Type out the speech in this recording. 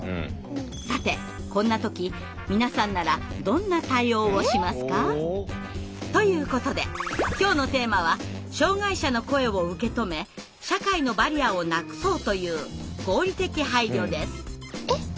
さてこんな時皆さんならどんな対応をしますか？ということで今日のテーマは障害者の声を受け止め社会のバリアをなくそうという「合理的配慮」です。